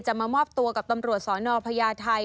มามอบตัวกับตำรวจสนพญาไทย